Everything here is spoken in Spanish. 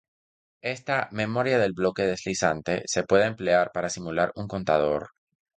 Esta "memoria del bloque deslizante" se puede emplear para simular un contador.